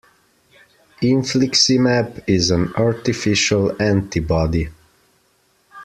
Infliximab is an artificial antibody.